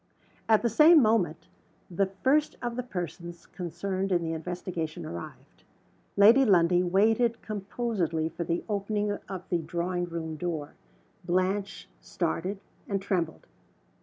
At the same moment the first of the persons concerned in the investigation arrived. Lady Lundie waited composedly for the opening of the drawing room door. Blanche started, and trembled.